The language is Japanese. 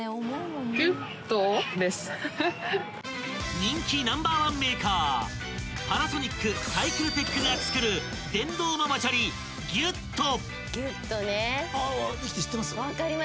［人気Ｎｏ．１メーカーパナソニックサイクルテックが作る電動ママチャリＧｙｕｔｔｏ］